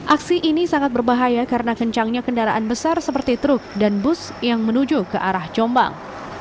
aksi ini sangat berbahaya karena kencangnya kendaraan besar seperti truk dan bus yang menuju ke arah jombang